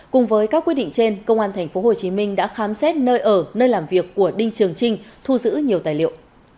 cùng với các quyết định trên công an tp hcm đã khám xét nơi ở nơi làm việc của đinh trường trinh thu giữ nhiều tài liệu